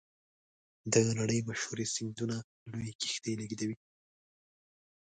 د نړۍ مشهورې سیندونه لویې کښتۍ لیږدوي.